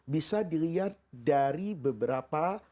bisa dilihat dari beberapa